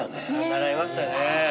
習いましたね。